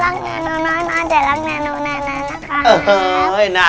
รักน้าโนน้อยน่าจะรักน้าโนน้ายน่ะครับ